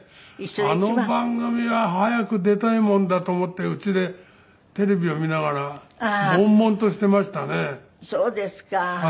あの番組は早く出たいもんだと思って家でテレビを見ながらもんもんとしていましたね。